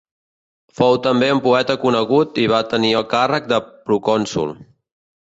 Fou també un poeta conegut i va tenir el càrrec de procònsol.